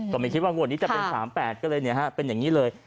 ก็ไม่คิดว่างวดนี้จะเป็น๓๘ก็เลยเป็นอย่างนี้เลย